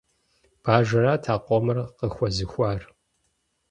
Бажэрат а къомыр къыхуэзыхуар.